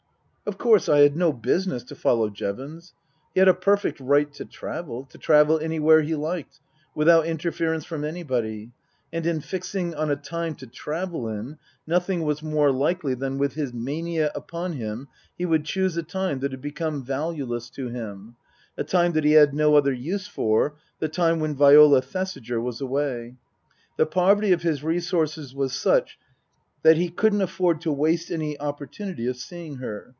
Of course I had no business to follow Jevons. He had a perfect right to travel to travel anywhere he liked, without interference from anybody. And in fixing on a time to travel in, nothing was more likely than with his mania upon him he would choose a time that had become valueless to him a time that he had no other use for, the time when Viola Thesiger was away. The poverty of his resources was such that he couldn't afford to waste any opportunity of seeing her.